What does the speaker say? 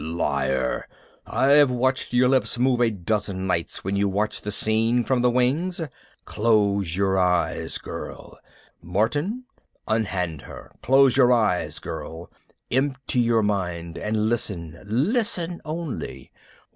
"Liar! I've watched your lips move a dozen nights when you watched the scene from the wings. Close your eyes, girl! Martin, unhand her. Close your eyes, girl, empty your mind, and listen, listen only.